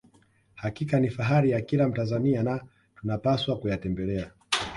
hakika ni fahari ya kila mtanzania na tunapaswa kuyatembelea